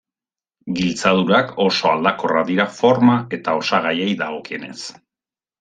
Giltzadurak oso aldakorrak dira forma eta osagaiei dagokienez.